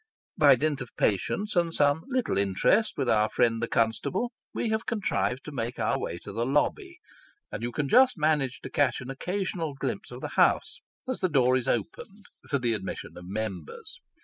By dint of patience, and some little interest with our friend the constable, we have contrived to make our way to the Lobby, and you can just manage to catch an occasional glimpse of the House, as the door is opened for the admission of Members.